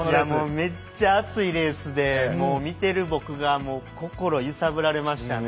めっちゃ熱いレースで見ている僕が心を揺さぶられましたね。